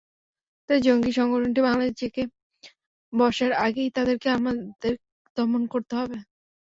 তাই জঙ্গি সংগঠনটি বাংলাদেশে জেঁকে বসার আগেই তাদেরকে আমাদের দমন করতে হবে।